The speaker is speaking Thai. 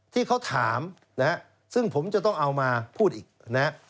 ที่เขาถามนะฮะซึ่งผมจะต้องเอามาพูดอีกนะฮะ